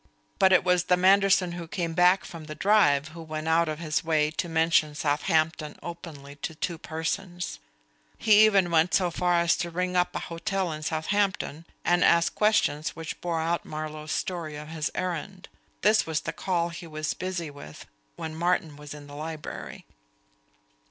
But it was the Manderson who came back from the drive who went out of his way to mention Southampton openly to two persons. He even went so far as to ring up a hotel at Southampton and ask questions which bore out Marlowe's story of his errand. This was the call he was busy with when Martin was in the library.